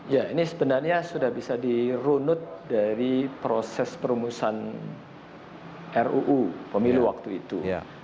ya ini sebenarnya sudah bisa dirunut dari proses perumusan ruu pemilu waktu itu